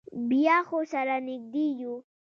بیا خو سره نږدې یو.